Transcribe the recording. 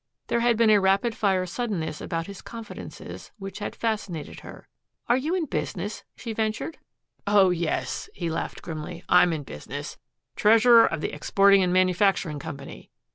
There had been a rapid fire suddenness about his confidences which had fascinated her. "Are you in business?" she ventured. "Oh, yes," he laughed grimly. "I'm in business treasurer of the Exporting & Manufacturing Company."